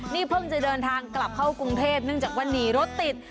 นี่เพิ่งจะเดินทางกลับเข้ากรุงเทพเนื่องจากว่าหนีรถติด